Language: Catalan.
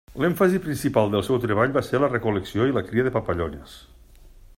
L'èmfasi principal del seu treball va ser la recol·lecció i la cria de papallones.